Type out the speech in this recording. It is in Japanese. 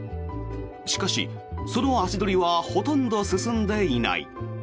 しかし、その足取りはほとんど進んでいない。